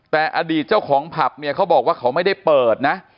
แต่อดีตเจ้าของผับเนี่ยเขาบอกว่าเขาไม่ได้เปิดนะ